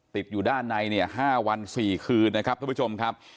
ติดอยู่ด้านในเนี่ย๕วัน๔คืนนะครับทุกผู้ชมครับ